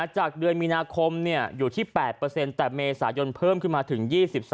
จากเดือนมีนาคมอยู่ที่๘แต่เมษายนเพิ่มขึ้นมาถึง๒๓